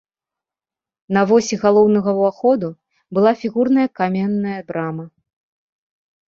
На восі галоўнага ўваходу была фігурная каменная брама.